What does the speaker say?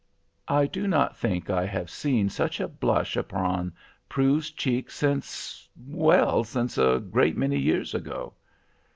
I do not think I have seen such a blush upon Prue's cheek since—well, since a great many years ago.